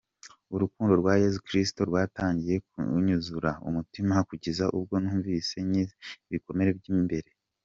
Urukundo rwa Yesu Krisitu rwatangiye kunyuzura umutima kugeza ubwo numvise nkize ibikomere by’imbere.